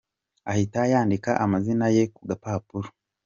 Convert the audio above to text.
Ahita yandika amazina ye ku gapapuro.